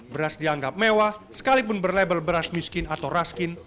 beras dianggap mewah sekalipun berlabel beras miskin atau raskin